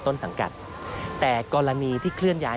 พบหน้าลูกแบบเป็นร่างไร้วิญญาณ